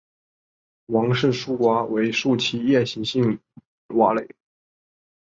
王氏树蛙为树栖夜行性蛙类。